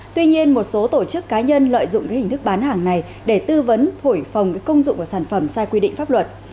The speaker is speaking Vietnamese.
tuy nhiên một số tổ chức cá nhân lợi dụng hình thức bán hàng này để tư vấn thổi phồng công dụng của sản phẩm sai quy định pháp luật